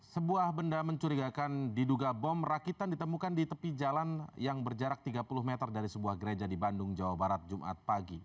sebuah benda mencurigakan diduga bom rakitan ditemukan di tepi jalan yang berjarak tiga puluh meter dari sebuah gereja di bandung jawa barat jumat pagi